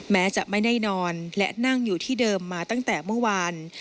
แม้จะไม่ได้นอนและนั่งอยู่ที่เดิมมาตั้งแต่เมื่อวาน